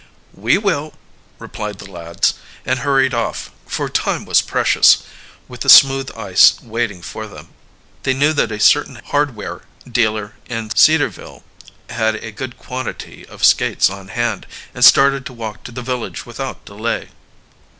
"We will," replied the lads, and hurried off, for time was precious, with the smooth ice waiting for them. They knew that a certain hardware dealer in Cedarville had a good quantity of skates on hand, and started to walk to the village without delay.